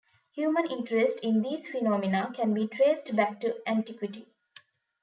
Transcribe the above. Human interest in these phenomena can be traced back to antiquity.